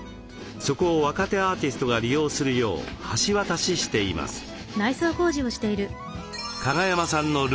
そこを若手アーティストが利用するよう橋渡ししています。